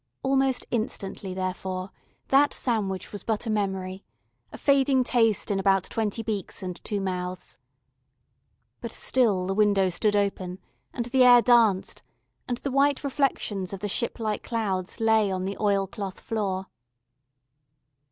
Almost instantly, therefore, that sandwich was but a memory, a fading taste in about twenty beaks and two mouths. But still the window stood open, and the air danced, and the white reflections of the ship like clouds lay on the oilcloth floor.